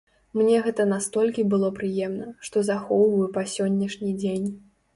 Мне гэта настолькі было прыемна, што захоўваю па сённяшні дзень.